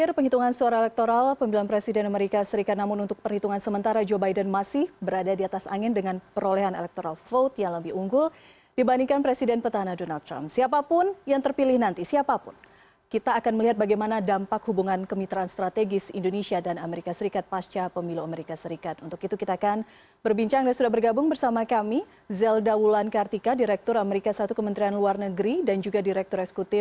direktur amerika i kementerian luar negeri dan juga direktur eksekutif csis philip vermontes